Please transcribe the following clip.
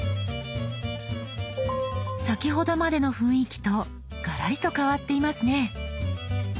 先ほどまでの雰囲気とガラリと変わっていますね。